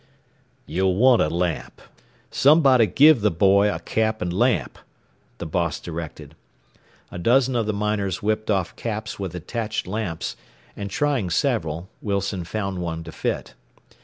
"You'll want a lamp. Somebody give the boy a cap and lamp," the boss directed. A dozen of the miners whipped off caps with attached lamps, and trying several, Wilson found one to fit.